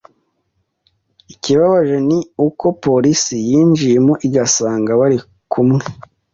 Ikibabaje ni uko polisi yinjiyemo igasanga bari kumwe.